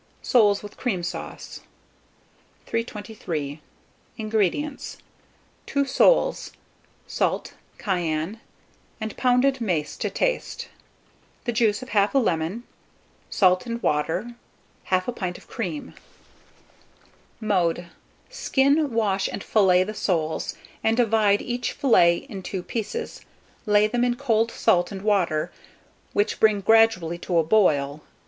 SOLES WITH CREAM SAUCE. 323. INGREDIENTS. 2 soles; salt, cayenne, and pounded mace to taste; the juice of 1/2 lemon, salt and water, 1/2 pint of cream. Mode. Skin, wash, and fillet the soles, and divide each fillet in 2 pieces; lay them in cold salt and water, which bring gradually to a boil.